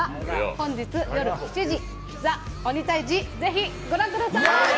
本日夜７時、「ＴＨＥ鬼タイジ」ぜひご覧ください！